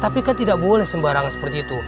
tapi kan tidak boleh sembarangan seperti itu